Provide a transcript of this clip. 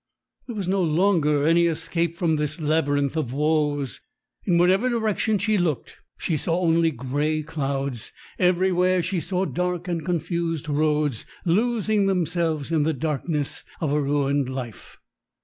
There was no longer any escape from this labyrinth of woes! In whatever direction she looked, she saw only grey clouds; everywhere she saw dark and confused roads losing themselves in the darkness of a ruined life.